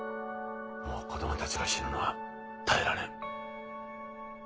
もう子供たちが死ぬのは耐えられん。